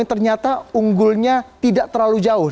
yang ternyata unggulnya tidak terlalu jauh